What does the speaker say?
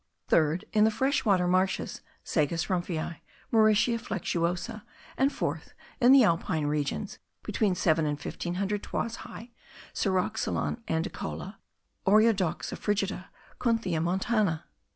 third, in the fresh water marshes, Sagus Rumphii, Mauritia flexuosa; and 4th, in the alpine regions, between seven and fifteen hundred toises high, Ceroxylon andicola, Oreodoxa frigida, Kunthia montana.